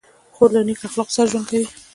خور له نیک اخلاقو سره ژوند کوي.